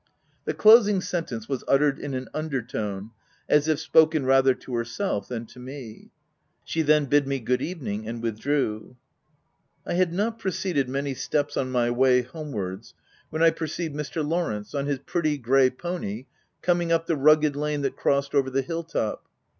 The closing sentence was uttered in an under tone, as it' spoken rather to herself than to me. She then bid me good evening and with drew. 104 THE TENANT I had not proceeded many steps on my way homewards, when I perceived Mr. Lawrence, on his pretty grey pony, coming up the rugged lane that crossed over the hill top.